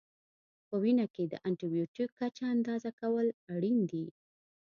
په وینه کې د انټي بیوټیک کچه اندازه کول اړین دي.